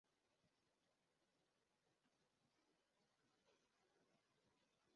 Anafahamika zaidi kwa jina lake la kisanii kama Dr. Dre.